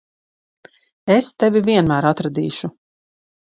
Es tevi vienmēr atradīšu.